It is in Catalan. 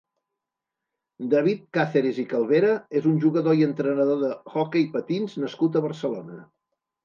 David Cáceres i Calvera és un jugador i entrenador d'hoquei patins nascut a Barcelona.